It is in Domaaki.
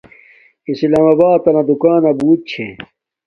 سلام آباتنا دوکانا بوت چھے